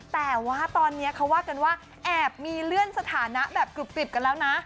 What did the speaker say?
แต่ว่าตอนนี้เขาว่ากันว่าแอบมีเลื่อนสถานะแบบกรุบกันแล้วนะ